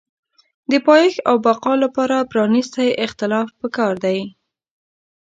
د پایښت او بقا لپاره پرانیستی اختلاف پکار دی.